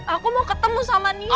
aku mau ketemu sama nia